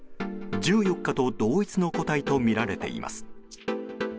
１４日と同一の個体とみられています。